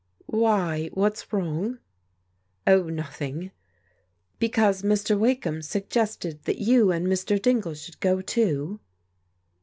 " Why, what's wrong? "" Oh, nothing." " Because Mr. Wakeham suggested that you and Mr. Dingle should go, too."